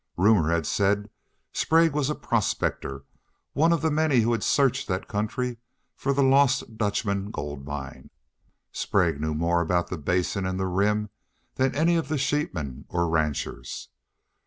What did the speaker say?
Rumor had said Sprague was a prospector, one of the many who had searched that country for the Lost Dutchman gold mine. Sprague knew more about the Basin and Rim than any of the sheepmen or ranchers.